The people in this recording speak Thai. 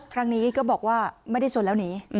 ครั้งนี้ก็บอกว่าไม่ได้สนแล้วหนี